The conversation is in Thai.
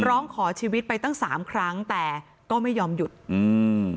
ร้องขอชีวิตไปตั้งสามครั้งแต่ก็ไม่ยอมหยุดอืม